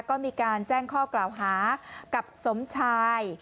ก็มีการแจ้งข้อกล่าวหากับสมชาย